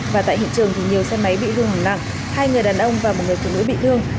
và tại hiện trường thì nhiều xe máy bị hư hỏng nặng hai người đàn ông và một người phụ nữ bị thương